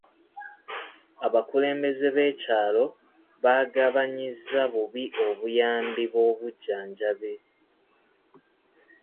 Abakulembeze b'ekyalo baagabanyizza bubi obuyambi bw'obujjanjabi.